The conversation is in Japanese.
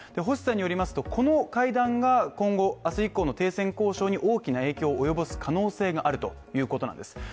星さんによりますとこの会談が、明日以降の停戦交渉に大きな影響を及ぼす可能性があるということなんです。